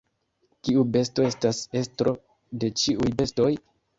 Kiu besto estas estro de ĉiuj bestoj?